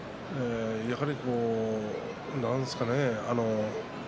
やはりなんでしょうかね。